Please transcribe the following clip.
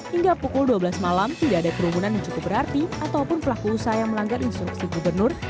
hingga pukul dua belas malam tidak ada kerumunan yang cukup berarti ataupun pelaku usaha yang melanggar instruksi gubernur